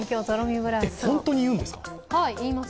本当に言うんですか？